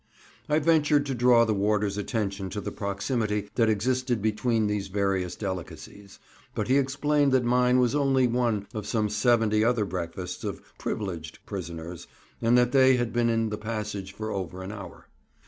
I ventured to draw the warder's attention to the proximity that existed between these various delicacies, but he explained that mine was only one of some seventy other breakfasts of "privileged" prisoners, and that they had been in the passage for over an hour.